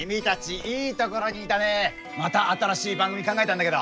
また新しい番組考えたんだけど。